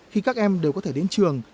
khi các em đều có thể đến trường